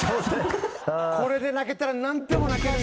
これで泣けたら何でも泣けるよ。